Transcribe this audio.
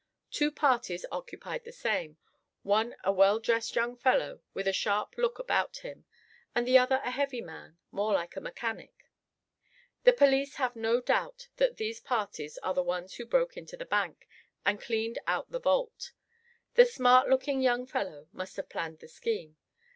Two parties occupied the same, one a well dressed young fellow, with a sharp look about him; and the other a heavy man, more like a mechanic. The police have no doubt that these parties are the ones who broke into the bank, and cleaned out the vault. The smart looking young fellow must have planned the scheme.